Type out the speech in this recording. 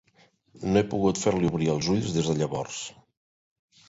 No he pogut fer-li obrir els ulls des de llavors.